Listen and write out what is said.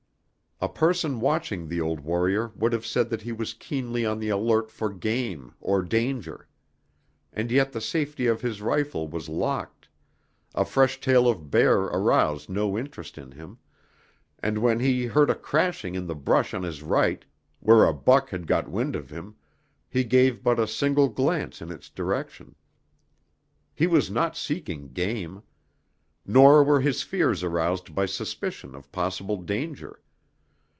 A person watching the old warrior would have said that he was keenly on the alert for game, or danger. And yet the safety of his rifle was locked, a fresh trail of bear aroused no new interest in him, and when he heard a crashing in the brush on his right, where a buck had got wind of him, he gave but a single glance in its direction. He was not seeking game. Nor were his fears aroused by suspicion of possible danger.